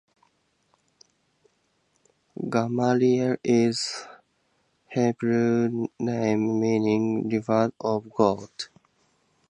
"Gamaliel" is a Hebrew name meaning "reward of God".